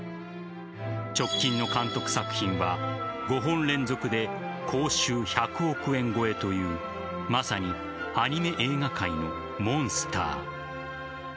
直近の監督作品は５本連続で興収１００億円超えというまさにアニメ映画界のモンスター。